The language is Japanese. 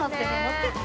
って。